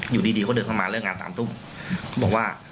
อยู่ดีเขาเดินเข้ามาเรื่องงานตามตุ้มเขาบอกว่า